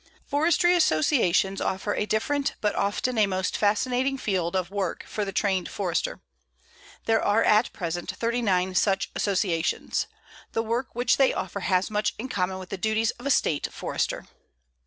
Forestry associations offer a different, but often a most fascinating field, of work for the trained Forester. There are at present 39 such associations. The work which they offer has much in common with the duties of a State Forester.